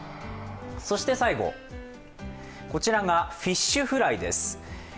そして最後、こちらがフィッシュフライです。